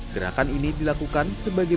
gerakan ini dilakukan sebagai